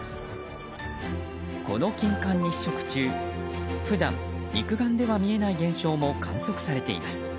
この金環日食中普段、肉眼では見えない現象も観測されています。